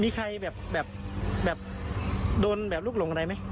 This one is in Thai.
มีใครแบบโดนแบบลูกหลงอะไรไหม